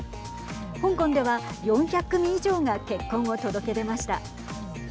香港では４００組以上が結婚を届け出ました。